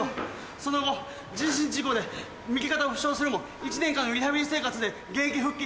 その後人身事故で右肩を負傷するも１年間のリハビリ生活で現役復帰。